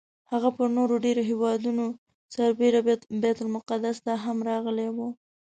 هغه پر نورو ډېرو هېوادونو سربېره بیت المقدس ته هم راغلی و.